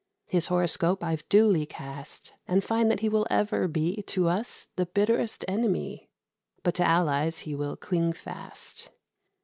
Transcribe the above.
His horoscope I've duly cast, And find that he will ever be To us the bitterest enemy, But to allies he will cling fast.